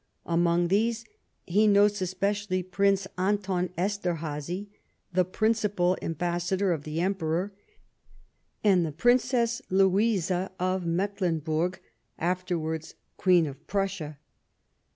Amongst these he notes especially Prince Anton Ester liazy, the principal ambassador of the Emperor ; and the Princess Louise of Mecklenburg, afterwards Queen of Prussia.